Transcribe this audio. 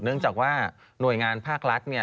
เนื่องจากว่าหน่วยงานภาครัฐเนี่ย